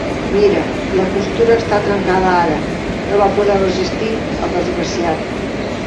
Mira, la costura està trencada ara, no va poder resistir el desgraciat.